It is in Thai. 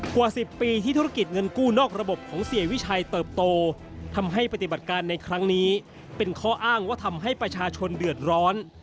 กว่า๑๐ปีที่ธุรกิจเงินกู้นอกระบบของเสียวิชัยเติบโตทำให้ปฏิบัติการในครั้งนี้เป็นข้ออ้างว่าทำให้ประชาชนเดือดร้อน